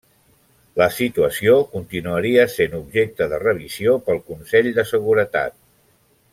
La situació continuaria sent objecte de revisió pel Consell de Seguretat.